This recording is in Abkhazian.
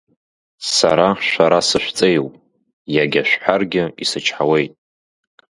Сара шәара сышәҵеиуп, иага шәҳәаргьы исычҳауеит.